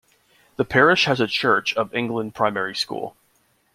The parish has a Church of England primary school.